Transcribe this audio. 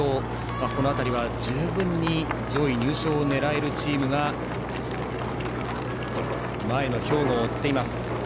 この辺りは十分に上位入賞を狙えるチームが前の兵庫を追っています。